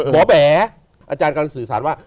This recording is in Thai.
บ่อแบ๋อาจารย์กันสื่อฉันว่า